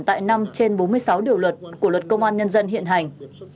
tại năm trên bốn mươi sáu điều luật của luật công an nhân dân hiện hành